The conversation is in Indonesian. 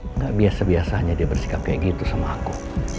tidak biasa biasanya dia bersikap kayak gitu sama aku